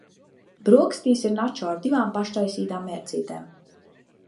Brokastīs ir načo ar divām paštaisītām mērcītēm.